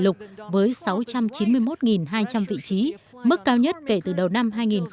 các việc làm ngắn hạn tạm thời cũng đạt mức kỳ lục với sáu trăm chín mươi một hai trăm linh vị trí mức cao nhất kể từ đầu năm hai nghìn bảy